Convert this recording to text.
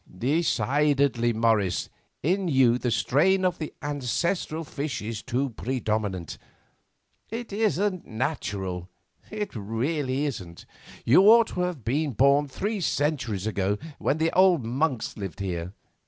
"Decidedly, Morris, in you the strain of the ancestral fish is too predominant. It isn't natural; it really isn't. You ought to have been born three centuries ago, when the old monks lived here.